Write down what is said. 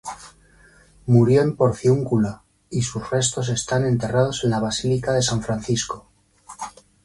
Murió en Porciúncula, y sus restos están enterrados en la Basílica de San Francisco.